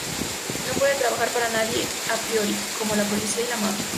No puede trabajar para nadie a priori, como la policía y la mafia.